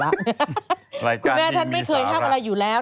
รายการดีมีสาระคุณแม่ท่านไม่เคยห้ามอะไรอยู่แล้ว